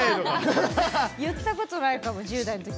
言ったことないかも１０代の時。